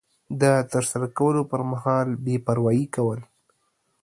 د ترسره کولو پر مهال بې پروایي کول